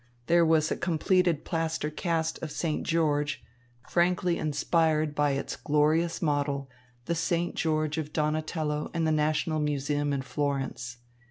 There was a completed plaster cast of St. George, frankly inspired by its glorious model, the St. George of Donatello in the National Museum in Florence.